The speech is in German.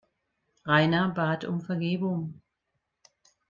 Rainer bat um Vergebung.